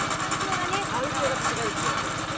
環境が違うっていうのがありましたね。